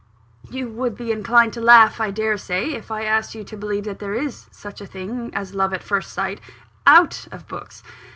"You would be inclined to laugh, I dare say, if I asked you to believe that there is such a thing as love at first sight, out of books.